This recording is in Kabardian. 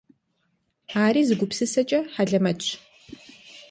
Ари зы гупсысэкӏэ хьэлэмэтщ.